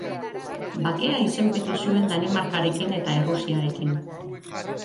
Bakea izenpetu zuen Danimarkarekin eta Errusiarekin.